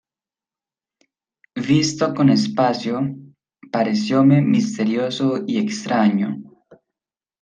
visto con espacio, parecióme misterioso y extraño: